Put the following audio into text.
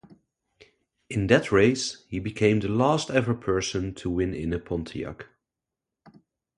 In that race, he became the last-ever person to win in a Pontiac.